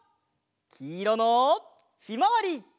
きいろのひまわり！